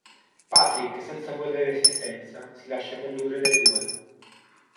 Patrick senza porre resistenza si lascia condurre dai due.